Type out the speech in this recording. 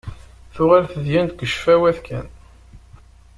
Tuɣal tedyant deg ccfawat kan.